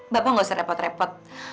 bapak nggak usah repot repot